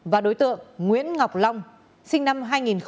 và đối tượng nguyễn ngọc long sinh năm hai nghìn tám